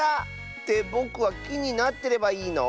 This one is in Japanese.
ってぼくはきになってればいいの？